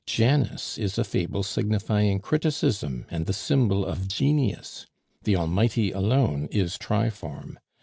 Janus is a fable signifying criticism and the symbol of Genius. The Almighty alone is triform.